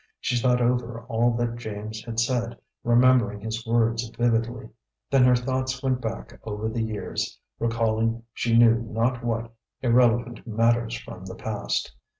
She thought over all that James had said, remembering his words vividly. Then her thoughts went back over the years, recalling she knew not what irrelevant matters from the past.